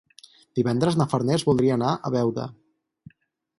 Divendres na Farners voldria anar a Beuda.